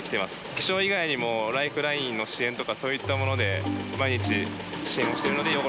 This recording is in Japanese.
気象以外にもライフラインの支援とかそういったもので毎日支援をしてるので汚れてます。